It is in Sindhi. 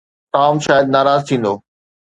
ٽام شايد ناراض ٿيندو.